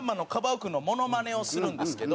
お君のモノマネをするんですけど。